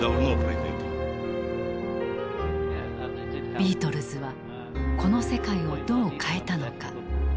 ビートルズはこの世界をどう変えたのか。